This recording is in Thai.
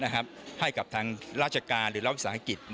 ให้กับทางราชการหรือรัฐวิสาหกิจ